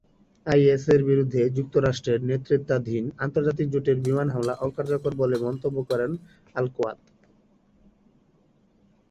আইএসের বিরুদ্ধে যুক্তরাষ্ট্রের নেতৃত্বাধীন আন্তর্জাতিক জোটের বিমান হামলা অকার্যকর বলে মন্তব্য করেন আলকোয়াদ।